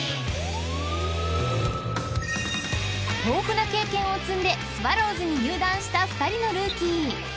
［豊富な経験を積んでスワローズに入団した２人のルーキー］